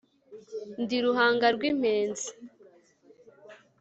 ndi ruhanga rw'impenzi